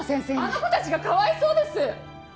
あの子たちがかわいそうです！